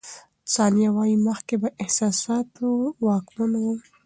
ثانیه وايي، مخکې په احساساتو واکمن وم.